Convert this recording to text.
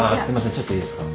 ちょっといいですか？